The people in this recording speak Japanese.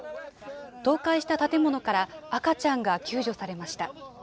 倒壊した建物から赤ちゃんが救助されました。